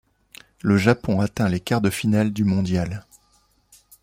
Le Japon atteint les quarts de finale du mondial.